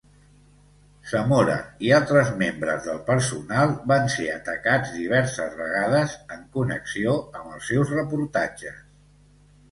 Zamora i altres membres del personal van ser atacats diverses vegades en connexió amb els seus reportatges.